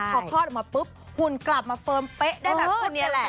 พอคลอดออกมาปุ๊บหุ่นกลับมาเฟิร์มเป๊ะได้แบบนี้แหละ